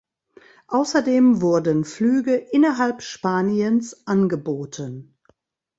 Außerdem wurden Flüge innerhalb Spaniens angeboten.